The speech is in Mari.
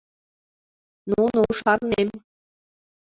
— Ну-ну, шарнем.